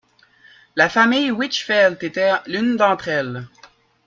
La famille Wichfeld était l'une d'entre elles.